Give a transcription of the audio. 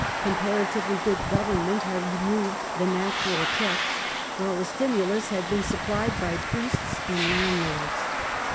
Comparatively good government had re moved the natural check, while a stimulus had been supplied by priests and landlords.